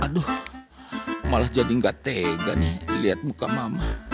aduh malah jadi gak tega nih lihat muka mama